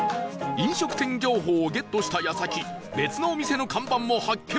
飲食店情報をゲットした矢先別のお店の看板も発見